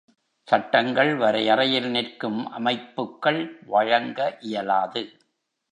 சட்டங்கள் வரையறையில் நிற்கும் அமைப்புக்கள் வழங்க இயலாது.